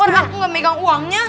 orang aku gak megang uangnya